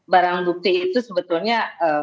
barang bukti itu sebetulnya